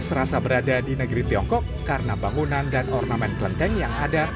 serasa berada di negeri tiongkok karena bangunan dan ornamen kelenteng yang ada